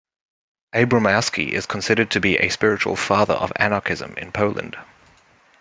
Abramowski is considered to be a spiritual father of Anarchism in Poland.